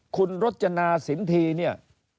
คุณรจนาสินทีเนี่ย